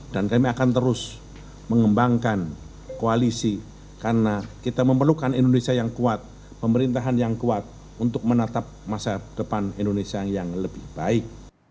dan kami akan terus mengembangkan koalisi karena kita memerlukan indonesia yang kuat pemerintahan yang kuat untuk menetap masa depan indonesia yang lebih baik